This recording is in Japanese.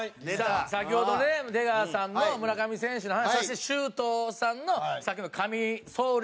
先ほどね出川さんの村上選手の話そして周東さんの先ほどの神走塁。